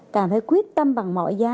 càng phải quyết tâm bằng mọi giá